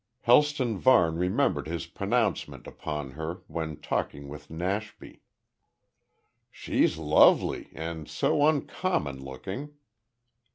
Helston Varne remembered his pronouncement upon her when talking with Nashby. "She's lovely, and so uncommon looking."